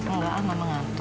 enggak aman mengantuk